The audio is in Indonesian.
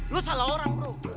lo salah orang kru